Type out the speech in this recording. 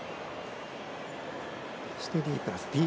そしてＤプラスＤ。